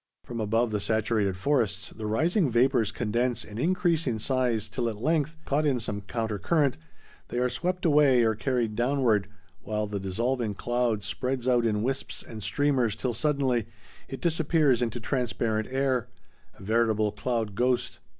From above the saturated forests, the rising vapors condense and increase in size till at length, caught in some counter current, they are swept away or carried downward, while the dissolving cloud spreads out in wisps and streamers till suddenly it disappears into transparent air,—a veritable cloud ghost.